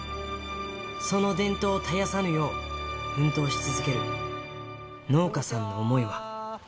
その伝統を絶やさぬよう、奮闘し続ける農家さんの想いは。